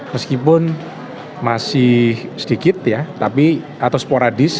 meskipun masih sedikit ya tapi atau sporadis